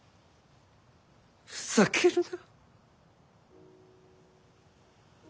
ふざけるな！